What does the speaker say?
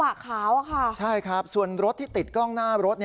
กระบะขาวอะค่ะใช่ครับส่วนรถที่ติดกล้องหน้ารถ